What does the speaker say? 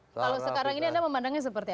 kalau sekarang ini anda memandangnya seperti apa